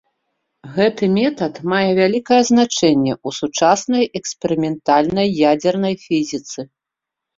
Гэты метад мае вялікае значэнне ў сучаснай эксперыментальнай ядзернай фізіцы.